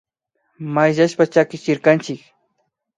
Mayllashpa chakichirkanchik